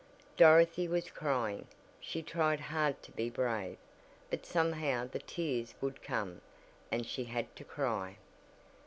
Dorothy was crying. She tried hard to be brave, but somehow the tears would come and she had to cry!